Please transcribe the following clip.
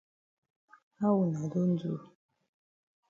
How wuna don do?